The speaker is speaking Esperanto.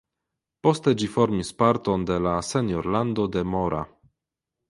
Poste ĝi formis parton de la senjorlando de Mora.